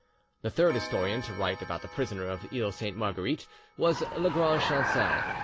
The third historian to write about the prisoner of the Iles Sainte Marguerite was Lagrange Chancel.